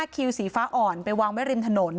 คิวสีฟ้าอ่อนไปวางไว้ริมถนน